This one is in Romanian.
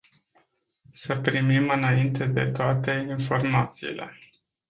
Să primim înainte de toate informațiile.